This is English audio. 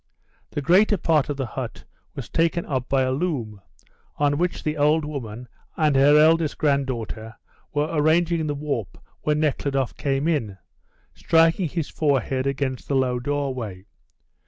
The greater part of the hut was taken up by a loom, on which the old woman and her eldest granddaughter were arranging the warp when Nekhludoff came in, striking his forehead against the low doorway.